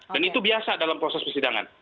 dan itu biasa dalam proses persidangan